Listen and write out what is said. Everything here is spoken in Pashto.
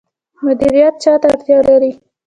مدیریت چا ته اړتیا لري؟